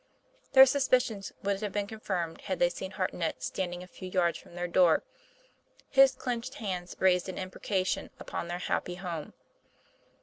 Their suspicions would have been confirmed had they seen Hartnett standing a few yards from their door, his clinched hands raised in imprecation upon their happy home.